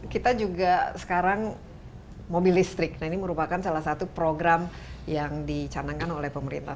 kita juga sekarang mobil listrik ini merupakan salah satu program yang dicanangkan oleh pemerintah